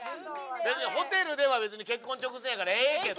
ホテルでは別に結婚直前やからええけど。